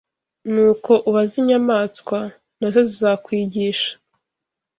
Nuko ubaze inyamaswa; na zo zizakwigisha